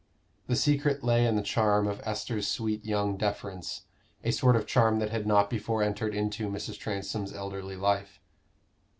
The secret lay in the charm of Esther's sweet young deference, a sort of charm that had not before entered into Mrs. Transome's elderly life.